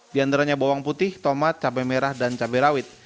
di antaranya bawang putih tomat cabai merah dan cabai rawit